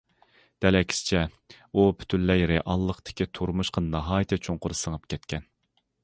دەل ئەكسىچە، ئۇ پۈتۈنلەي رېئاللىقتىكى تۇرمۇشقا ناھايىتى چوڭقۇر سىڭىپ كەتكەن.